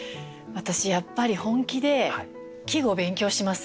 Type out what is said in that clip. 私やっぱり本気で季語勉強します。